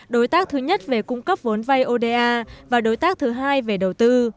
đối tác thứ nhất về cung cấp vốn vay oda và đối tác thứ hai về đầu tư